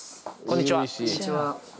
こんにちは。